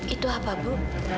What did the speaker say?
itu apa bu